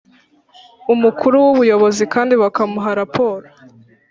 Umukuru w Ubuyobozi kandi bakamuha raporo